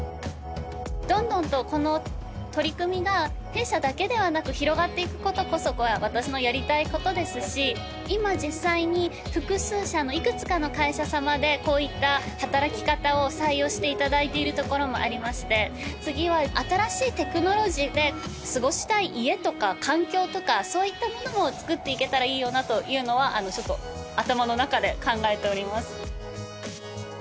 どんどんとこの取り組みが弊社だけではなく広がっていくことこそが私のやりたいことですし今実際に複数社のいくつかの会社様でこういった働き方を採用していただいているところもありまして次は新しいテクノロジーで過ごしたい家とか環境とかそういったものもつくっていけたらいいよなというのはあのちょっと頭の中で考えております